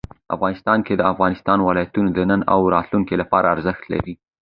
افغانستان کې د افغانستان ولايتونه د نن او راتلونکي لپاره ارزښت لري.